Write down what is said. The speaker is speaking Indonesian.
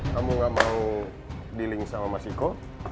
kamu gak mau dealing sama mas iko